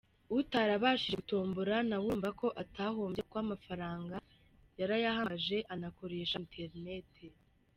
Utarabashije gutombora nawe urumva ko atahombye kuko amafaranga yarayahamagaje anakoresha internet.”